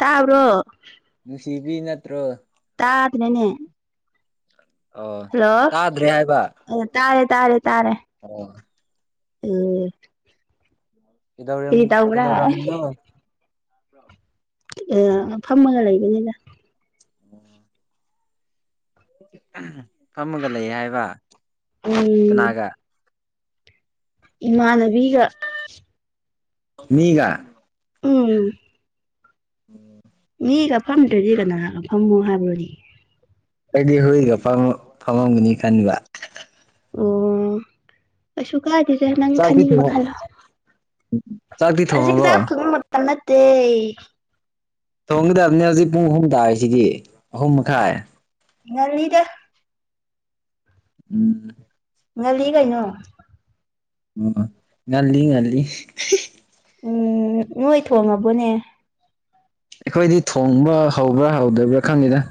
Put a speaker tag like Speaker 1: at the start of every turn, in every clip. Speaker 1: ꯇꯥꯕ꯭ꯔꯣ
Speaker 2: ꯅꯨꯡꯁꯤꯕꯤ ꯅꯠꯇ꯭ꯔꯣ
Speaker 1: ꯇꯗ꯭ꯔꯦꯅꯦ
Speaker 2: ꯑꯣ ꯇꯥꯗ꯭ꯔꯦ ꯍꯥꯏꯕ
Speaker 1: ꯍꯜꯂꯣ ꯇꯥꯔꯦ ꯇꯥꯔꯦ ꯇꯥꯔꯦ
Speaker 2: ꯑꯣ
Speaker 1: ꯎꯝ
Speaker 2: ꯀꯩꯗꯧꯔꯝ
Speaker 1: ꯀꯔꯤ ꯇꯧꯕ꯭ꯔꯥ
Speaker 2: ꯀꯩꯗꯧꯔꯝꯃꯤꯅꯣ꯫
Speaker 1: ꯑꯦ ꯐꯝꯃꯒ ꯂꯩꯕꯅꯤꯅ꯫
Speaker 2: ꯑꯣꯝ ꯐꯝꯃꯒ ꯂꯩ ꯍꯥꯏꯕ
Speaker 1: ꯎꯝ
Speaker 2: ꯀꯅꯥꯒ꯫
Speaker 1: ꯏꯃꯥꯟꯅꯕꯤꯒ꯫
Speaker 2: ꯃꯤꯒ
Speaker 1: ꯎꯝ
Speaker 2: ꯎꯝ
Speaker 1: ꯃꯤꯒ ꯐꯝꯗ꯭ꯔꯗꯤ ꯀꯅꯥ ꯐꯝꯝꯃꯣ ꯍꯥꯏꯕꯅꯣꯅꯦ꯫
Speaker 2: ꯑꯩꯗꯤ ꯍꯨꯏꯒ ꯐꯝꯃꯝꯒꯅꯤ ꯈꯟꯕ꯫
Speaker 1: ꯑꯣ ꯀꯩꯁꯨ ꯀꯥꯗꯦꯗ ꯅꯪ
Speaker 2: ꯆꯥꯛꯇꯤ
Speaker 1: ꯈꯟꯅꯤꯡꯕ
Speaker 2: ꯊꯣꯡ
Speaker 1: ꯈꯜꯂꯣ
Speaker 2: ꯆꯥꯛꯇꯤ
Speaker 1: ꯍꯧꯖꯤꯛ
Speaker 2: ꯊꯣꯡꯉꯕꯣ
Speaker 1: ꯆꯥꯛ ꯃꯇꯝ ꯅꯠꯇꯦ
Speaker 2: ꯊꯣꯡꯒꯗꯕꯅꯦ ꯍꯧꯖꯤꯛ ꯄꯨꯡ ꯑꯍꯨꯝ ꯇꯥꯔꯤꯁꯤꯗꯤ ꯑꯍꯨꯝ ꯃꯈꯥꯏ꯫
Speaker 1: ꯉꯟꯂꯤꯗ
Speaker 2: ꯎꯝ
Speaker 1: ꯉꯟꯂꯤ ꯀꯩꯅꯣ
Speaker 2: ꯎ ꯉꯟꯂꯤ ꯉꯟꯂꯤ
Speaker 1: ꯎꯝ ꯅꯣꯏ ꯊꯣꯡꯉꯕꯣꯅꯦ꯫
Speaker 2: ꯑꯩꯈꯣꯏꯗꯤ ꯊꯣꯡꯕ ꯍꯧꯕ꯭ꯔꯥ ꯍꯧꯗꯣꯏꯕ꯭ꯔꯥ ꯈꯪꯗꯦꯗ꯫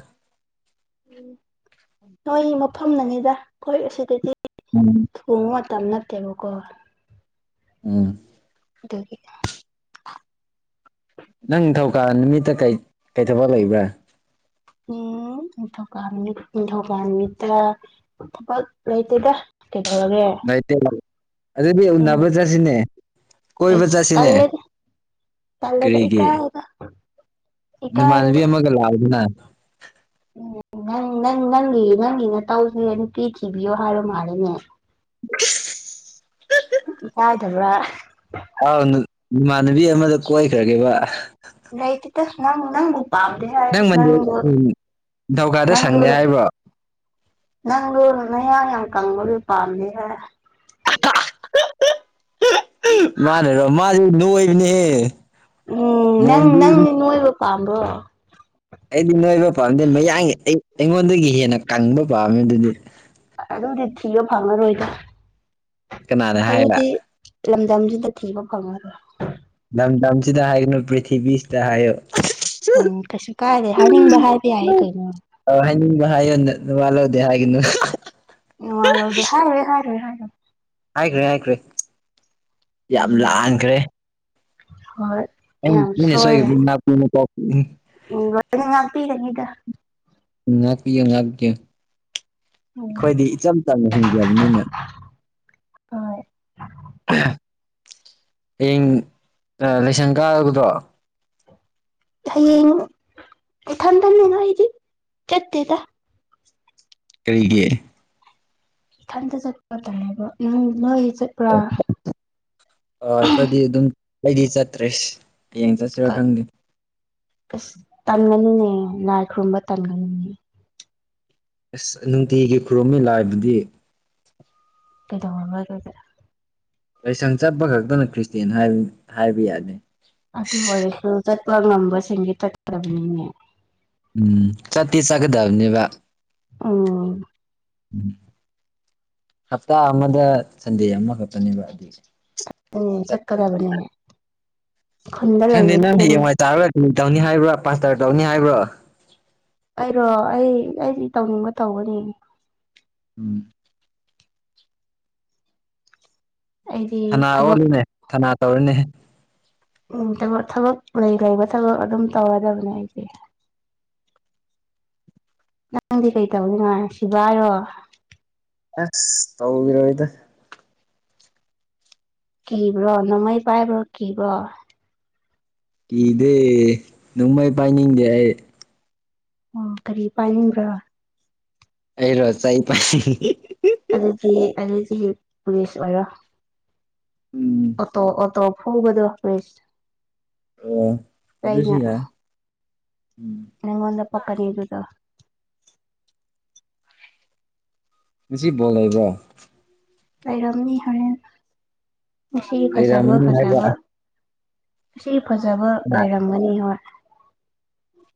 Speaker 1: ꯎꯝ ꯅꯣꯏ ꯃꯐꯝꯅꯅꯤꯗ ꯑꯩꯈꯣꯏ ꯑꯁꯤꯗꯗꯤ
Speaker 2: ꯎꯝ
Speaker 1: ꯊꯣꯡꯕ ꯃꯇꯝ ꯅꯠꯇꯦꯕꯀꯣ
Speaker 2: ꯎꯝ
Speaker 1: ꯑꯗꯨꯗꯒꯤ
Speaker 2: ꯅꯪ ꯊꯧꯀꯥ ꯅꯨꯃꯤꯠꯇ ꯀꯩ ꯊꯕꯛ ꯂꯩꯕ꯭ꯔꯥ꯫
Speaker 1: ꯎꯝ ꯅꯤꯡꯊꯨꯀꯥꯕ ꯅꯤꯡꯊꯧꯀꯥ ꯅꯨꯃꯤꯠꯇ ꯊꯕꯛ ꯂꯩꯇꯦꯗ ꯀꯩꯗꯧꯔꯒꯦ?
Speaker 2: ꯑꯗꯨꯗꯤ
Speaker 1: ꯎꯝ
Speaker 2: ꯎꯅꯕ ꯆꯠꯁꯤꯅꯦ ꯀꯣꯏꯕ ꯆꯠꯁꯤꯅꯦ꯫
Speaker 1: ꯇꯂꯦꯗ ꯏꯀꯥꯏꯌꯦꯗ
Speaker 2: ꯅꯨꯃꯥꯟꯕꯤ ꯑꯃꯒ ꯂꯥꯛꯑꯣꯗꯅ꯫
Speaker 1: ꯎꯝ ꯅꯪ ꯅꯪ ꯅꯪꯒꯤ ꯅꯪꯒꯤꯅ ꯇꯧꯗꯨꯅ ꯅꯨꯄꯤ ꯊꯤꯕꯤꯌꯣ ꯍꯥꯏ ꯃꯥꯜꯂꯦꯅꯦ꯫
Speaker 2: [unintelligible]
Speaker 1: ꯄꯥꯏꯗꯕꯔ
Speaker 2: ꯑꯥꯎ ꯏꯃꯥꯟꯅꯕꯤ ꯑꯃꯗ ꯀꯣꯏꯈ꯭ꯔꯒꯦꯕ꯫
Speaker 1: ꯥꯂꯩꯇꯦꯗ ꯅꯪ ꯅꯪ ꯄꯝ ꯍꯥꯏ
Speaker 2: ꯅꯪ ꯃꯟꯗꯦ
Speaker 1: ꯅꯪꯗꯣ
Speaker 2: ꯎꯝ ꯅꯤꯡꯊꯧꯀꯥꯗ
Speaker 1: ꯅꯪꯗꯣ
Speaker 2: ꯁꯪꯗꯦ ꯍꯥꯏꯕ꯭ꯔꯣ
Speaker 1: ꯅꯪꯗꯣ ꯅꯌꯥꯡ ꯌꯥꯝ ꯀꯪꯕꯗꯣꯂ ꯄꯥꯝꯗꯦ ꯍꯥꯏ
Speaker 2: ꯃꯥꯅꯔꯣ ꯃꯥꯗꯤ ꯅꯣꯏꯕꯅꯤꯍꯦ꯫
Speaker 1: ꯎꯝ ꯅꯪ ꯅꯪꯗꯤ ꯅꯣꯏꯕ ꯄꯥꯝꯕ꯭ꯔꯣ
Speaker 2: ꯑꯩꯗꯤ ꯅꯣꯏꯕ ꯄꯥꯝꯗꯦ ꯃꯌꯥꯡꯒꯤ ꯑꯩ ꯑꯩꯉꯣꯟꯗꯒꯤ ꯍꯦꯟꯅ ꯀꯪꯕ ꯄꯥꯝꯃꯦ ꯑꯗꯨꯗꯤ
Speaker 1: ꯑꯗꯨꯗꯤ ꯊꯤꯕ ꯐꯪꯉꯔꯣꯏꯗ
Speaker 2: ꯀꯅꯥꯅ ꯍꯥꯏꯕ
Speaker 1: ꯑꯗꯨꯗꯤ ꯂꯝꯗꯝꯖꯤꯗ ꯊꯤꯕ ꯐꯪꯉꯔꯣꯏ
Speaker 2: ꯂꯝꯗꯝꯁꯤꯗ ꯍꯥꯏꯒꯅꯨ ꯄ꯭ꯔꯤꯊꯤꯕꯤꯁꯤꯗ ꯍꯥꯏꯌꯨ
Speaker 1: ꯎꯝ ꯀꯩꯁꯨ ꯀꯥꯏꯗꯦ ꯍꯥꯏꯅꯤꯡꯕ ꯍꯥꯏꯕ ꯌꯥꯏ ꯀꯩꯅꯣ
Speaker 2: ꯑ ꯍꯥꯏꯅꯤꯡꯕ ꯍꯥꯏꯌꯣ ꯅ ꯅꯋꯥ ꯂꯧꯗꯦ ꯍꯥꯏꯒꯅꯨ
Speaker 1: ꯅꯋꯥ ꯂꯧꯗꯦ ꯍꯥꯏꯔꯣꯏ ꯍꯥꯏꯔꯣꯏ ꯍꯥꯏꯔꯣꯏ
Speaker 2: ꯍꯥꯏꯈ꯭ꯔꯦ ꯍꯥꯏꯈ꯭ꯔꯦ ꯌꯥꯝ ꯂꯥꯟꯈ꯭ꯔꯦ
Speaker 1: ꯍꯣꯏ
Speaker 2: ꯑꯩ
Speaker 1: ꯌꯥꯝ
Speaker 2: ꯃꯤꯅ ꯁꯣꯏꯒ꯭ꯔꯗꯤ ꯉꯥꯛꯄꯤꯅꯤꯀꯣ ꯎꯝ
Speaker 1: ꯎꯝ ꯂꯣꯏꯅ ꯉꯥꯛꯄꯤꯒꯅꯤꯗ
Speaker 2: ꯎꯝ ꯉꯥꯛꯄꯤꯌꯨ ꯉꯥꯛꯄꯤꯌꯨ ꯑꯩꯈꯣꯏꯗꯤ ꯏꯆꯝ ꯆꯝꯅ ꯍꯤꯡꯖꯕꯅꯤꯅ ꯍꯌꯦꯡ ꯑ ꯂꯥꯏꯁꯪ ꯀꯥꯕꯗꯣ
Speaker 1: ꯍꯌꯦꯡ ꯏꯊꯟꯇꯅꯤꯗꯥ ꯑꯩꯗꯤ ꯆꯠꯇꯦꯗ
Speaker 2: ꯀꯩꯒꯤ
Speaker 1: ꯏꯊꯟꯇꯥ ꯆꯠꯄ ꯇꯟꯕ ꯎꯝ ꯅꯣꯏꯒꯤꯖꯨ
Speaker 2: [unintelligible] ꯑꯣ ꯑꯩꯈꯣꯏꯗꯤ ꯑꯗꯨꯝ ꯑꯩꯗꯤ ꯆꯠꯇ꯭ꯔꯦꯁ ꯍꯌꯦꯡ ꯆꯠ [unintelligible] ꯈꯪꯗꯦ
Speaker 1: ꯑꯁ ꯇꯟꯒꯅꯨꯅꯦ ꯂꯥꯏ ꯈꯨꯔꯨꯝꯕ ꯇꯟꯒꯅꯨꯅꯦ
Speaker 2: ꯑꯁ ꯅꯨꯡꯇꯤꯒꯤ ꯈꯨꯔꯨꯝꯃꯤ ꯂꯥꯏꯕꯨꯗꯤ
Speaker 1: ꯀꯩꯗꯧꯔꯕ ꯑꯗꯨꯗꯤ
Speaker 2: ꯂꯩꯁꯪ ꯆꯠꯄ ꯈꯛꯇꯅ ꯈ꯭ꯔꯤꯁꯇꯦꯟ [unintelligible] ꯍꯥꯏꯕ ꯌꯥꯗꯦ
Speaker 1: ꯑꯗꯨ ꯑꯣꯏꯔꯁꯨ ꯆꯠꯄ ꯉꯝꯕꯁꯤꯡꯒꯤ ꯆꯠꯀꯗꯕꯅꯤꯅꯦ
Speaker 2: ꯎꯝ ꯆꯠꯇꯤ ꯆꯠꯀꯗꯕꯅꯦꯕ
Speaker 1: ꯎꯝ
Speaker 2: ꯎꯝ ꯍꯞꯇꯥ ꯑꯃꯗ ꯁꯟꯗꯦ ꯑꯃꯈꯛꯇꯅꯦꯕ ꯑꯗꯨ
Speaker 1: ꯎꯝ ꯆꯠꯀꯗꯕꯅꯦ
Speaker 2: [unintelligible]
Speaker 1: ꯈꯨꯟꯗ
Speaker 2: ꯈꯪꯗꯦ
Speaker 1: ꯂꯩꯕꯗꯤ
Speaker 2: ꯅꯪꯗꯤ
Speaker 1: ꯑꯗꯨꯝ
Speaker 2: ꯍꯌꯦꯡꯋꯥꯏ [unintelligible] [unintelligible] ꯇꯧꯅꯤ ꯍꯥꯏꯕ꯭ꯔꯣ ꯄꯥꯁꯇꯔ ꯇꯧꯅꯤ ꯍꯥꯏꯕ꯭ꯔꯣ
Speaker 1: ꯑꯩꯔꯣ ꯑꯩ ꯑꯩꯗꯤ ꯇꯧꯅꯤꯡꯕ ꯇꯧꯒꯅꯤ
Speaker 2: ꯎꯝ
Speaker 1: ꯑꯩꯗꯤ
Speaker 2: ꯊꯅꯥ
Speaker 1: ꯊꯕꯛ
Speaker 2: ꯑꯣꯜꯂꯨꯅꯦ ꯊꯅꯥ ꯇꯧꯔꯨꯅꯦ
Speaker 1: ꯎꯝ [unintelligible] ꯊꯕꯛ ꯂꯩ ꯂꯩꯕ ꯊꯕꯛ ꯑꯗꯨꯝ ꯇꯧꯔꯗꯕꯅꯦ ꯑꯩꯗꯤ ꯅꯪꯗꯤ ꯀꯩ ꯇꯧꯔꯤꯅꯣ ꯁꯤꯚꯥꯏꯔꯣ
Speaker 2: ꯑꯁ ꯇꯧꯔꯣꯏꯗ
Speaker 1: ꯀꯤꯕ꯭ꯔꯣ ꯅꯣꯡꯃꯩ ꯄꯥꯏꯕ ꯀꯤꯕ꯭ꯔꯣ
Speaker 2: ꯀꯤꯗꯦ ꯅꯣꯡꯃꯩ ꯄꯥꯏꯅꯤꯡꯗꯦ ꯑꯩ
Speaker 1: ꯑꯣ ꯀꯔꯤ ꯄꯥꯏꯅꯤꯡꯕ꯭ꯔꯥ
Speaker 2: ꯑꯩꯔꯣ ꯆꯩ ꯄꯥꯏꯅꯤꯡꯉꯤ
Speaker 1: ꯑꯗꯨꯗꯤ ꯑꯗꯨꯗꯤ ꯄꯨꯂꯤꯁ ꯑꯣꯏꯔꯣ
Speaker 2: ꯎꯝ
Speaker 1: ꯑꯣꯇꯣ ꯑꯣꯇꯣ ꯐꯨꯕꯗꯣ ꯄꯨꯂꯤꯁ
Speaker 2: ꯑꯣ ꯑꯗꯨꯁꯨ
Speaker 1: ꯑꯩꯅ
Speaker 2: ꯌꯥꯏ ꯎꯝ
Speaker 1: ꯅꯪꯉꯣꯟꯗ ꯄꯛꯀꯅꯤ ꯑꯗꯨꯗꯣ
Speaker 2: ꯉꯁꯤ ꯕꯣꯜ ꯂꯩꯕ꯭ꯔꯣ
Speaker 1: ꯂꯩꯔꯝꯃꯤ ꯍꯣꯔꯦꯟ ꯉꯁꯤ ꯐꯖꯕ
Speaker 2: ꯂꯩꯔꯝꯃꯅꯤ ꯍꯥꯏꯕ
Speaker 1: ꯐꯖꯕ ꯉꯁꯤ ꯐꯖꯕ ꯂꯩꯔꯝꯒꯅꯤ ꯍꯣꯏ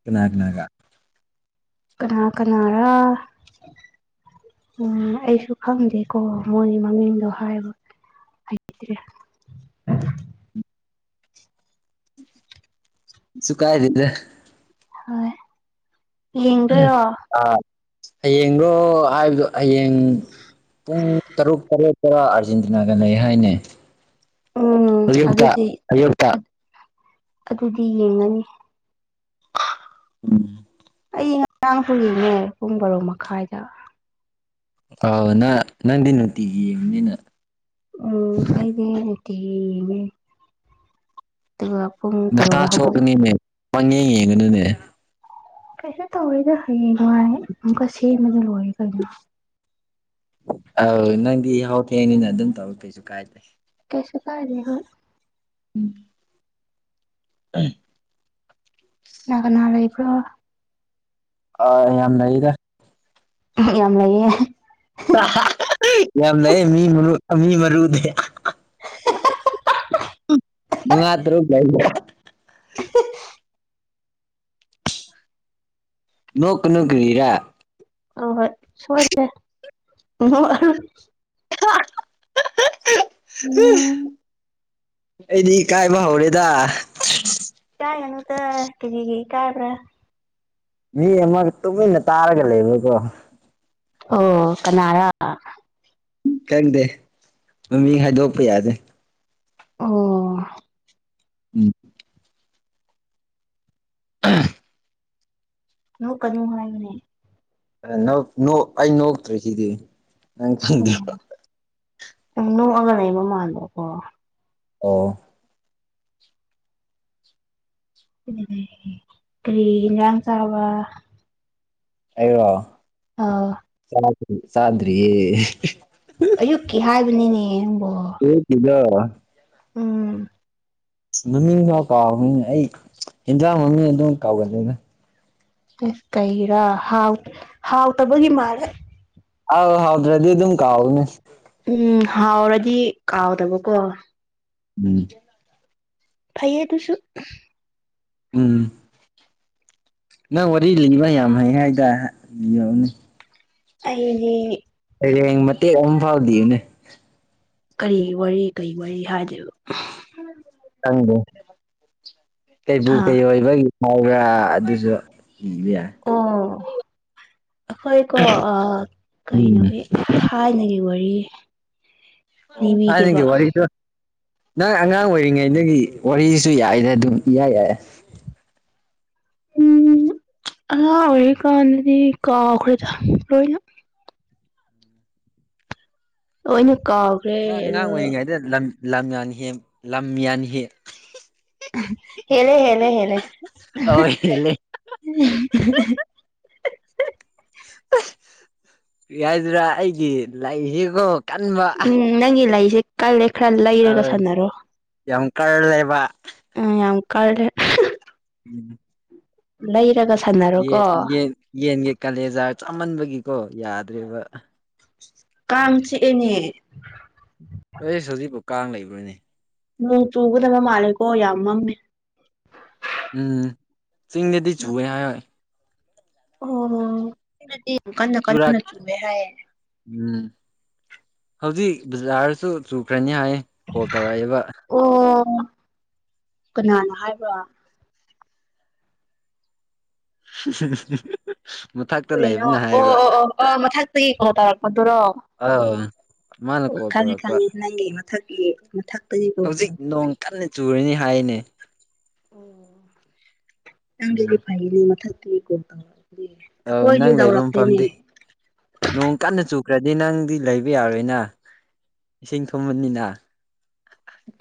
Speaker 2: ꯀꯅꯥ ꯀꯥꯅꯥꯒ
Speaker 1: ꯀꯅꯥ ꯀꯅꯥꯥꯔꯥ ꯎꯝ ꯑꯩꯁꯨ ꯈꯪꯗꯦꯀꯣ ꯃꯣꯏꯒꯤ ꯃꯃꯤꯡꯗꯣ ꯍꯥꯏꯕ ꯍꯥꯏꯇ꯭ꯔꯦ
Speaker 2: ꯁꯨꯈ ꯍꯥꯏꯗꯗ꯭ꯔꯦ
Speaker 1: ꯍꯣꯏ ꯌꯦꯡꯗꯣꯏꯔꯣ
Speaker 2: ꯑꯥ ꯍꯌꯦꯡꯔꯣ ꯍꯥꯏꯕꯗꯣ ꯍꯌꯦꯡ ꯄꯨꯡ ꯇꯔꯨꯛ ꯇꯔꯦꯠ ꯇꯔꯥ ꯑꯥꯔꯖꯦꯟꯇꯤꯅꯥꯒ ꯂꯩ ꯍꯥꯏꯅꯦ
Speaker 1: ꯎꯝ
Speaker 2: ꯑꯌꯨꯛꯇ
Speaker 1: ꯑꯗꯨꯗꯤ
Speaker 2: ꯑꯌꯨꯛꯇ
Speaker 1: ꯑꯗꯨꯗꯤ ꯌꯦꯡꯉꯅꯤ
Speaker 2: ꯎꯝ
Speaker 1: ꯑꯩ ꯉꯔꯥꯡ ꯍꯨꯔꯤꯅꯦ ꯄꯨꯡ ꯕꯥꯔꯣ ꯃꯈꯥꯏꯗ
Speaker 2: ꯑꯥꯎ ꯅ ꯅꯗꯤ ꯅꯨꯡꯇꯤꯒꯤ ꯌꯦꯡꯉꯅꯤꯅ
Speaker 1: ꯎꯝ ꯑꯩꯗꯤ ꯅꯨꯡꯇꯤꯒꯤ ꯌꯦꯡ ꯉꯦ ꯑꯗꯨꯒ ꯄꯨꯡ
Speaker 2: ꯅꯁꯥ
Speaker 1: ꯕꯥꯔꯣꯗ ꯍꯧꯒꯠꯂꯦ
Speaker 2: ꯁꯣꯛꯀꯅꯤꯅꯦ ꯄꯪꯌꯦꯡ ꯌꯦꯡꯒꯅꯨꯅꯦ
Speaker 1: ꯀꯩꯁꯨ ꯇꯧꯔꯤꯗ ꯍꯌꯦꯡꯉꯥꯏ ꯑꯃꯨꯛꯀ ꯁꯦꯝꯕꯗ ꯂꯣꯏꯔꯦ ꯀꯩꯅꯣ
Speaker 2: ꯑꯧ ꯅꯪꯗꯤ ꯌꯥꯍꯧ ꯊꯦꯡꯅꯤꯅ ꯑꯗꯨꯝ ꯇꯧꯔ ꯀꯩꯁꯨ ꯀꯥꯏꯗ꯭ꯔꯦ
Speaker 1: ꯀꯩꯁꯨ ꯀꯥꯏꯗꯦ ꯍꯣꯏ
Speaker 2: ꯎꯝ [unintelligible]
Speaker 1: ꯀꯅꯥ ꯀꯥꯅꯥ ꯂꯩꯕ꯭ꯔꯣ
Speaker 2: ꯑ ꯌꯥꯝ ꯅꯩꯗ
Speaker 1: ꯌꯥꯝ ꯅꯩꯌꯦ
Speaker 2: ꯌꯥꯝ ꯂꯩ ꯃꯤ ꯃꯔꯨ ꯃꯤ ꯃꯔꯨꯅꯦ ꯃꯉꯥ ꯇꯥꯔꯨꯛ ꯂꯩꯌꯦ ꯅꯣꯛ ꯀꯅꯨ ꯀꯔꯤꯔꯥ
Speaker 1: ꯑ ꯍꯣꯏ ꯁꯣꯏ [unintelligible]
Speaker 2: ꯑꯦ [unintelligible]
Speaker 1: ꯎꯝ
Speaker 2: ꯑꯩꯗꯤ ꯏꯀꯥꯏꯕ ꯍꯧꯔꯦꯗ
Speaker 1: ꯏꯀꯥꯏꯒꯅꯨꯗꯥ ꯀꯔꯤꯒꯤ ꯏꯀꯥꯏꯕ꯭ꯔꯥ
Speaker 2: ꯃꯤ ꯑꯃꯒ ꯇꯨꯃꯤꯟꯅ ꯇꯥꯔꯒ ꯂꯩꯕꯀꯣ
Speaker 1: ꯑꯣ ꯀꯅꯥꯔ
Speaker 2: ꯈꯪꯗꯦ ꯃꯃꯤꯡ ꯍꯥꯏꯗꯣꯛꯄ ꯌꯥꯗꯦ
Speaker 1: ꯑꯣ
Speaker 2: ꯎꯝ ꯎꯝ
Speaker 1: ꯅꯣꯀꯥꯅꯣ ꯍꯥꯏꯕꯅꯦ
Speaker 2: ꯅꯣꯛ ꯅꯣꯛ ꯑꯩ ꯅꯣꯛꯇ꯭ꯔꯤꯁꯤꯗꯤ ꯅꯪ ꯈꯪꯗ꯭ꯔꯣ
Speaker 1: ꯑꯣ ꯅꯣꯛꯑꯒ ꯂꯩꯕꯥ ꯃꯟꯕꯥꯀꯣ
Speaker 2: ꯑꯣ
Speaker 1: ꯀꯔꯤ ꯏꯟꯖꯥꯡ ꯆꯕ
Speaker 2: ꯑꯩꯔꯣ
Speaker 1: ꯑꯥꯎ
Speaker 2: ꯆꯗꯔꯤ ꯆꯗ꯭ꯔꯤꯌꯦ
Speaker 1: ꯑꯌꯨꯛꯀꯤ ꯍꯥꯏꯕꯅꯤꯅꯦ ꯅꯪꯕꯣ
Speaker 2: ꯑꯌꯨꯛꯀꯤꯗꯣ
Speaker 1: ꯎꯝ
Speaker 2: ꯃꯃꯤꯡ ꯐꯥꯎ ꯀꯥꯎꯕꯅꯤꯅꯦ ꯑꯩ ꯍꯦꯟꯖꯥꯡ ꯃꯃꯤꯡ ꯑꯗꯨꯝ ꯀꯥꯎꯒꯂꯤꯗ
Speaker 1: ꯑꯦꯁ ꯀꯩꯒꯤꯔꯥ ꯍꯥꯎ ꯍꯥꯎꯇꯕꯒꯤ ꯃꯥꯜꯂꯦ
Speaker 2: ꯑꯧ ꯍꯥꯎꯇ꯭ꯔꯗꯤ ꯑꯗꯨꯝ ꯀꯥꯎꯕꯅꯦ
Speaker 1: ꯎꯝ ꯍꯥꯎꯔꯗꯤ ꯀꯥꯎꯗꯕꯀꯣ
Speaker 2: ꯎꯝ
Speaker 1: ꯐꯩꯌꯦ ꯑꯗꯨꯁꯨ
Speaker 2: ꯎꯝ ꯅꯪ ꯋꯥꯔꯤ ꯂꯤꯕ ꯌꯥꯝ ꯍꯩ ꯍꯥꯏꯗꯥꯏ ꯂꯤꯌꯣꯅꯦ
Speaker 1: ꯑꯩꯗꯤ
Speaker 2: ꯁꯩꯔꯦꯡ ꯃꯇꯦꯛ ꯑꯝꯐꯥꯎ ꯂꯤꯌꯨꯅꯦ
Speaker 1: ꯀꯔꯤꯒꯤ ꯋꯥꯔꯤ ꯀꯩ ꯋꯥꯔꯤ ꯍꯥꯏꯗꯣꯏꯕ
Speaker 2: ꯅꯪꯕꯨ ꯀꯩꯕꯨꯨ
Speaker 1: ꯍꯥ
Speaker 2: ꯀꯩ ꯑꯣꯏꯕꯒꯤ ꯃꯧꯔꯥ ꯑꯗꯨꯖꯨ ꯂꯤꯕ ꯌꯥꯏ
Speaker 1: ꯑꯣ ꯑꯈꯣꯏꯀꯣ ꯑ
Speaker 2: ꯎꯝ
Speaker 1: ꯀꯩꯅꯣꯒꯤ ꯊꯥꯏꯅꯒꯤ ꯋꯥꯔꯤ
Speaker 2: ꯑꯣ
Speaker 1: ꯂꯤꯕꯤꯒꯦꯕ
Speaker 2: ꯊꯥꯏꯅꯒꯤ ꯋꯥꯔꯤꯗꯣ ꯅꯪ ꯑꯉꯥꯡ ꯑꯣꯏꯔꯤꯉꯩꯗꯒꯤ ꯋꯥꯔꯤꯁꯨ ꯌꯥꯏꯗ ꯑꯗꯨꯝ ꯏꯌꯥꯏ ꯌꯥꯏ
Speaker 1: [inaudible] ꯎꯝ ꯑꯉꯥꯡ ꯑꯣꯏꯔꯤꯀꯥꯟꯗꯗꯤ ꯀꯥꯎꯈ꯭ꯔꯦꯗ ꯂꯣꯏꯅ ꯂꯣꯏꯅ ꯀꯥꯎ
Speaker 2: ꯅꯪ ꯑꯉꯥꯡ ꯑꯣꯏꯔꯤꯉꯩꯗ ꯂꯝ ꯂꯝ ꯌꯥꯟꯍꯦꯟ ꯂꯝ ꯌꯥꯟ ꯍꯦ
Speaker 1: ꯍꯦꯂꯦ ꯍꯦꯂꯦ ꯍꯦꯂꯦ
Speaker 2: ꯑꯧ ꯍꯦꯜꯂꯦ ꯌꯥꯏꯗꯔꯥ ꯑꯩꯒꯤ ꯂꯩꯁꯤꯀꯣ ꯀꯟꯕ
Speaker 1: ꯎꯝ ꯅꯪꯒꯤ ꯂꯩꯁꯦ ꯀꯜꯂꯦ ꯈꯔ ꯂꯩꯔꯒ
Speaker 2: ꯑꯥ
Speaker 1: ꯁꯥꯟꯅꯔꯣ
Speaker 2: ꯌꯥꯝ ꯀꯜꯂꯦꯕ
Speaker 1: ꯎꯝ ꯌꯥꯝ ꯀꯜꯂꯦ
Speaker 2: ꯎꯝ
Speaker 1: ꯂꯩꯔꯒ ꯁꯥꯟꯅ
Speaker 2: ꯌꯦꯟ ꯌꯦꯟ ꯌꯦꯟꯒꯤ ꯀꯥꯂꯦꯖꯥꯔ ꯆꯥꯃꯟꯕꯒꯤꯀꯣ ꯌꯥꯗ꯭ꯔꯦꯕ
Speaker 1: ꯀꯥꯡ ꯆꯤꯛꯑꯦꯅꯦ
Speaker 2: ꯑꯩꯁ ꯍꯧꯖꯤꯛꯄꯨ ꯀꯥꯡ ꯂꯩꯕ꯭ꯔꯅꯦ
Speaker 1: ꯅꯣꯡ ꯆꯨꯒꯗꯕ ꯃꯥꯜꯂꯦꯀꯣ ꯌꯥꯝ ꯃꯝꯃꯦ
Speaker 2: ꯎꯝ ꯆꯤꯡꯗꯗꯤ ꯆꯨꯋꯦ ꯍꯥꯏꯌꯣꯏ
Speaker 1: ꯑꯣ ꯆꯤꯡꯗꯗꯤ ꯌꯥꯝ ꯀꯟꯅ
Speaker 2: ꯆꯨꯔꯛ
Speaker 1: ꯀꯟꯅ ꯆꯨꯋꯦ ꯍꯥꯏꯌꯦ
Speaker 2: ꯎꯝ ꯍꯧꯖꯤꯛ ꯕꯖꯥꯔꯗꯁꯨ ꯆꯨꯈ꯭ꯔꯅꯤ ꯍꯥꯏꯌꯦ ꯀꯣꯜ ꯇꯧꯔꯛꯑꯦꯕ
Speaker 1: ꯑꯣ ꯀꯅꯥꯅ ꯍꯥꯏꯕ
Speaker 2: ꯃꯊꯛꯇ
Speaker 1: ꯀꯔꯤꯅꯣ
Speaker 2: ꯂꯩꯕꯅ
Speaker 1: ꯑꯣ
Speaker 2: ꯍꯥꯏꯕ
Speaker 1: ꯑꯣ ꯑꯣ ꯑꯣ ꯃꯊꯛꯇꯒꯤ ꯀꯣꯜ ꯇꯧꯔꯛꯄꯗꯨꯔꯣ
Speaker 2: ꯑꯧ ꯃꯥꯅ ꯀꯣꯜ ꯇꯧꯔꯛꯄ
Speaker 1: ꯃꯤ ꯃꯊꯛꯀꯤ ꯃꯊꯛ
Speaker 2: ꯍꯧꯖꯤꯛ ꯅꯣꯡ ꯀꯟꯅ ꯆꯨꯔꯅꯤ ꯍꯥꯏꯅꯦ
Speaker 1: ꯑꯣ ꯅꯪꯒꯤꯗꯤ
Speaker 2: ꯎꯝ
Speaker 1: ꯐꯩꯅꯦ ꯃꯊꯛꯇꯒꯤ ꯀꯣꯜ ꯇꯧꯔꯛꯑꯗꯤ
Speaker 2: ꯑꯧ ꯅꯪ
Speaker 1: ꯑꯈꯣꯏꯗꯤ
Speaker 2: ꯂꯩꯕ
Speaker 1: ꯇꯧꯔꯛꯇꯦꯅꯦ
Speaker 2: ꯃꯐꯝꯗꯤ ꯅꯣꯡ ꯀꯟꯅ ꯆꯨꯈ꯭ꯔꯗꯤ ꯅꯪꯗꯤ ꯂꯩꯕ ꯌꯥꯔꯣꯏꯅ ꯏꯁꯤꯡ ꯊꯨꯝꯕꯅꯤꯅ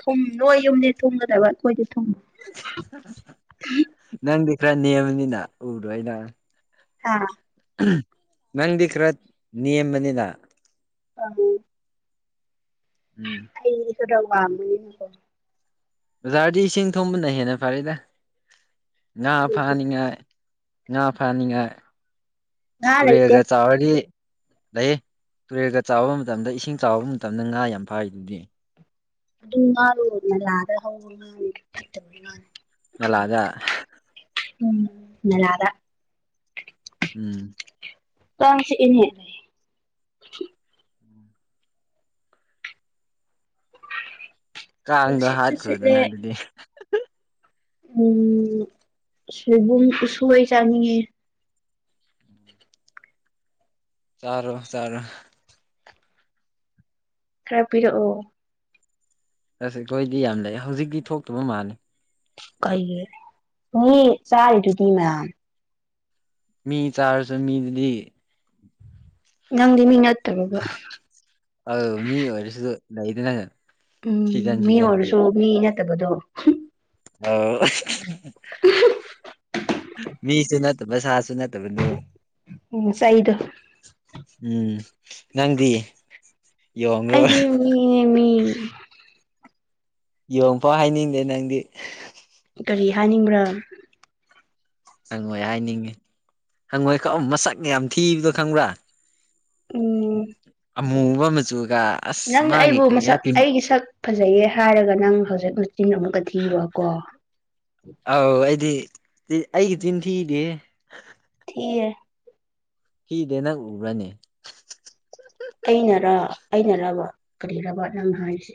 Speaker 1: ꯊꯨꯝ ꯅꯣꯏ ꯌꯨꯝꯗꯤ ꯊꯨꯝꯒꯗꯕ ꯑꯩꯈꯣꯏꯗꯤ ꯊꯨꯝ
Speaker 2: ꯅꯪꯗꯤ ꯈꯔ ꯅꯦꯝꯕꯅꯤꯅ ꯎꯔꯣ ꯑꯩꯅ
Speaker 1: ꯍꯥꯥ
Speaker 2: ꯅꯪꯗꯤ ꯈꯔ ꯅꯦꯝꯕꯅꯤꯅ
Speaker 1: ꯑ
Speaker 2: ꯎꯝ
Speaker 1: ꯍꯩꯗꯤ ꯈꯔ ꯄꯥꯝꯕꯅꯤꯅꯀꯣ
Speaker 2: ꯕꯖꯥꯔꯗꯤ ꯏꯁꯤꯡ ꯊꯨꯝꯕꯅ ꯍꯦꯟꯅ ꯐꯔꯦꯗ ꯉꯥ
Speaker 1: ꯀꯔꯤꯒꯤ
Speaker 2: ꯐꯥꯅꯤꯡꯉꯥꯏ ꯉꯥ ꯐꯅꯤꯉꯥꯏ
Speaker 1: ꯉꯥ ꯂꯩꯇꯦ
Speaker 2: ꯇꯔꯦꯜꯒ ꯆꯥꯎꯔꯗꯤ ꯂꯩꯌꯦ ꯇꯨꯔꯦꯜꯒ ꯆꯥꯎꯕ ꯃꯇꯝꯗ ꯏꯁꯤꯡ ꯆꯥꯎꯕ ꯃꯇꯝꯗ ꯉꯥ ꯌꯥꯝ ꯐꯥꯔꯤꯗꯨꯗꯤ
Speaker 1: ꯑꯗꯨꯝ ꯉꯥꯂꯨꯗꯅ ꯂꯥꯛꯑ꯭ꯔ ꯍꯧ ꯉꯥ ꯐꯠꯇꯕꯅꯤ ꯉꯥꯂ
Speaker 2: ꯅꯂꯥꯒ
Speaker 1: ꯎꯝ ꯅꯂꯥꯗ
Speaker 2: ꯎꯝ
Speaker 1: ꯀꯥꯡ ꯆꯤꯛꯏꯅꯦ
Speaker 2: ꯀꯥꯡꯗꯣ
Speaker 1: ꯅꯨꯡꯁꯤꯠ ꯁꯨ ꯁꯤꯠꯂꯦ
Speaker 2: ꯍꯥꯠꯈ꯭ꯔꯣꯗꯅ ꯑꯗꯨꯗꯤ
Speaker 1: ꯎꯝ ꯁꯦꯒꯨꯝ ꯎꯁꯣꯏ ꯆꯥꯅꯤꯡꯉꯦ
Speaker 2: ꯆꯥꯔꯣ ꯆꯥꯔꯣ
Speaker 1: ꯈꯔ ꯄꯤꯔꯛꯑꯣ
Speaker 2: ꯑꯁ ꯑꯩꯈꯣꯢꯗꯤ ꯌꯥꯝ ꯂꯩ ꯍꯧꯖꯤꯛꯇꯤ ꯊꯣꯛꯇꯕ ꯃꯥꯜꯂꯤ
Speaker 1: ꯀꯩꯌꯦ ꯃꯤ ꯆꯔꯤꯗꯨꯗꯤ ꯃꯌꯥꯝ
Speaker 2: ꯃꯤ ꯆꯥꯔꯁꯨ ꯃꯤꯗꯨꯗꯤ
Speaker 1: ꯅꯪꯗꯤ ꯃꯤꯅꯠ
Speaker 2: ꯑꯧ ꯃꯤ ꯑꯣꯏꯔꯖꯨ ꯂꯩꯗꯅ ꯁꯤꯖꯟ
Speaker 1: ꯎꯝ ꯃꯤ
Speaker 2: ꯁꯤꯖꯟꯒꯤ
Speaker 1: ꯑꯣꯏꯔꯁꯨ ꯃꯤ ꯅꯠꯇꯕꯗꯣ
Speaker 2: ꯑꯧ ꯃꯤꯁꯨ ꯅꯠꯇꯕ ꯁꯥꯁꯨ ꯅꯠꯇꯕꯗꯣ
Speaker 1: ꯎꯝ ꯆꯩꯗꯣ
Speaker 2: ꯎꯝ ꯅꯪꯗꯤ ꯌꯣꯡꯉꯔꯣ
Speaker 1: ꯌꯦꯃꯤꯌꯦꯃꯤ
Speaker 2: ꯌꯦꯡꯐꯧ ꯍꯥꯢꯅꯤꯡꯗꯦ ꯅꯪꯗꯤ
Speaker 1: ꯀꯔꯤ ꯍꯥꯢꯅꯤꯡꯕ꯭ꯔꯥ
Speaker 2: ꯍꯪꯉꯣꯢ ꯍꯥꯢꯅꯤꯡꯉꯤ ꯍꯪꯉꯣꯢ ꯀꯑꯝ ꯃꯁꯛ ꯌꯥꯝ ꯊꯤꯕꯗꯣ ꯈꯪꯕ꯭ꯔꯥ
Speaker 1: ꯎꯝ
Speaker 2: ꯑꯃꯨꯕ ꯃꯆꯨꯒ ꯑꯁ
Speaker 1: ꯅꯪ
Speaker 2: ꯃꯥꯒꯤ
Speaker 1: ꯑꯩꯕꯨ
Speaker 2: ꯀꯔꯤ
Speaker 1: ꯃꯁꯛ
Speaker 2: ꯍꯥꯏ ꯄꯤꯝ
Speaker 1: ꯑꯩꯒꯤ ꯁꯛ ꯐꯖꯩꯌꯦ ꯍꯥꯢꯔꯒ ꯅꯪ ꯍꯧꯖꯤꯛ ꯃꯆꯤꯟ ꯑꯃꯨꯛꯀ ꯊꯤꯕ ꯀꯣ
Speaker 2: ꯑꯧ ꯑꯩꯗꯤ ꯑꯩꯒꯤ ꯆꯤꯟ ꯊꯤꯗꯦꯍꯦ
Speaker 1: ꯊꯤꯌꯦ
Speaker 2: ꯊꯤꯗꯦ ꯅꯪ ꯎꯕ꯭ꯔꯅꯦ
Speaker 1: ꯑꯩꯅꯔ ꯑꯩꯅꯔꯕꯥ ꯀꯔꯤꯔꯕ ꯅꯪ ꯍꯥꯢꯁꯦ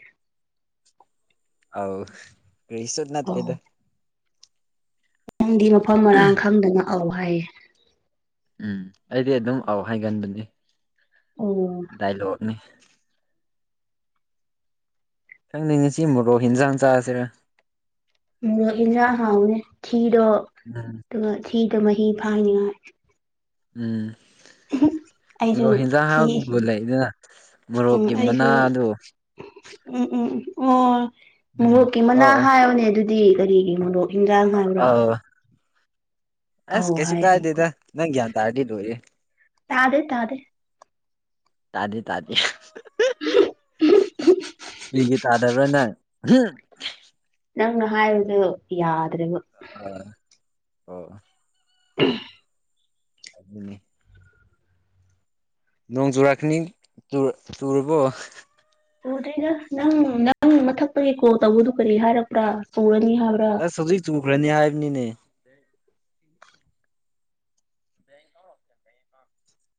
Speaker 2: ꯑꯧ ꯀꯔꯤꯁꯨ
Speaker 1: ꯑꯧ
Speaker 2: ꯅꯠꯇꯦꯗ
Speaker 1: ꯅꯪꯗꯤ ꯃꯐꯝ ꯃꯔꯥꯡ ꯈꯪꯗꯅ ꯑꯧ ꯍꯢꯌꯦ
Speaker 2: ꯎꯝ ꯑꯩꯗꯤ ꯑꯗꯨꯝ ꯑꯧ ꯍꯥꯢꯒꯟꯕꯅꯦ
Speaker 1: ꯑꯣ
Speaker 2: ꯗꯥꯏꯂꯣꯠꯅꯤ ꯊꯪꯅꯤ ꯉꯤꯁꯤ ꯃꯣꯔꯣꯛ ꯍꯦꯟꯖꯥꯡ ꯆꯥꯁꯤꯔ
Speaker 1: ꯏꯖꯥꯡ ꯍꯥꯎꯅꯤ ꯊꯤꯗꯣ
Speaker 2: ꯎꯝ
Speaker 1: ꯑꯗꯨꯒ ꯊꯤꯗꯣ ꯃꯍꯤ ꯐꯥꯏꯅꯤꯉꯥꯏ
Speaker 2: ꯎꯝ
Speaker 1: ꯑꯩꯁꯨ
Speaker 2: ꯃꯣꯔꯣꯛ ꯍꯦꯟꯖꯥꯡ
Speaker 1: ꯊꯤ
Speaker 2: ꯍꯥꯕꯨ ꯂꯩꯗꯅ
Speaker 1: ꯎꯝ
Speaker 2: ꯃꯣꯔꯣꯛꯀꯤ ꯃꯅꯥ
Speaker 1: ꯑꯩꯁꯨ
Speaker 2: ꯑꯗꯨ
Speaker 1: ꯎꯝ ꯎꯝ ꯑꯣ
Speaker 2: ꯎꯝ
Speaker 1: ꯃꯣꯔꯣꯛꯀꯤ ꯃꯅꯥ
Speaker 2: ꯑꯣ ꯑꯣ
Speaker 1: ꯍꯥꯏꯣꯅꯦ ꯑꯗꯨꯗꯤ ꯗꯤ ꯀꯔꯤꯒꯤꯅꯣꯗꯣꯛ ꯌꯦꯟꯖꯥꯡ ꯍꯥꯏꯕ꯭ꯔꯥ
Speaker 2: ꯑꯧ ꯑꯁ
Speaker 1: ꯑꯧ
Speaker 2: ꯀꯩꯁꯨ
Speaker 1: ꯍꯥꯏ ꯑꯃꯨꯛꯀ
Speaker 2: ꯀꯥꯏꯗꯦꯗ ꯅꯪ ꯒ꯭ꯌꯜ ꯇꯥꯔꯗꯤ ꯂꯣꯏꯔꯦ
Speaker 1: ꯇꯥꯗꯦ ꯇꯥꯗꯦ
Speaker 2: ꯇꯥꯗꯤ ꯇꯥꯗꯤ
Speaker 1: [inaudible]
Speaker 2: ꯀꯔꯤꯒꯤ ꯇꯥꯗꯕ꯭ꯔ ꯅꯪ
Speaker 1: ꯅꯪ ꯍꯥꯏꯕꯗꯨ ꯌꯥꯗ꯭ꯔꯦꯕ
Speaker 2: ꯑꯣ
Speaker 1: ꯎꯝ
Speaker 2: [unintelligible] ꯂꯣꯡ ꯆꯨꯔꯀꯅꯤ ꯆꯨꯔꯕꯣ
Speaker 1: ꯄꯨꯗꯦꯗ ꯅꯪ ꯅꯪ ꯃꯊꯛꯇꯒꯤ ꯀꯣꯜ ꯇꯧꯕꯗꯨ ꯀꯔꯤ ꯍꯥꯏꯔꯛꯄ꯭ꯔ ꯄꯨꯔꯅꯤ ꯍꯥꯏꯕ
Speaker 2: ꯑꯁ ꯍꯧꯖꯤꯛ ꯆꯨꯈ꯭ꯔꯅꯤ ꯍꯥꯏꯕꯅꯤꯅꯦ